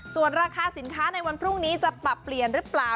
ส่วนราคาสินค้าในวันพรุ่งนี้จะปรับเปลี่ยนหรือเปล่า